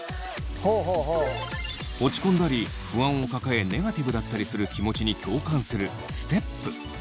落ち込んだり不安を抱えネガティブだったりする気持ちに共感するステップ。